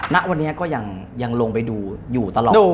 ณวันนี้ก็ยังลงไปดูอยู่ตลอด